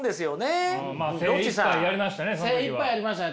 精いっぱいやりましたね